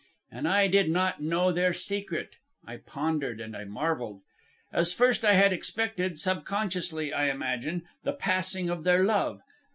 "And I did not know their secret. I pondered and I marvelled. As first I had expected, subconsciously I imagine, the passing of their love.